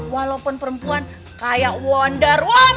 walaupun perempuan kayak wonder